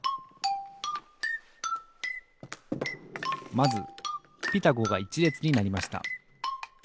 まず「ピタゴ」が１れつになりました